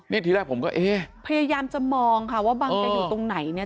นี่ทีแรกผมก็เอ๊ะพยายามจะมองค่ะว่าบังจะอยู่ตรงไหนเนี่ย